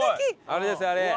あれですよあれ。